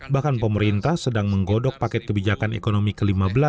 bahkan pemerintah sedang menggodok paket kebijakan ekonomi ke lima belas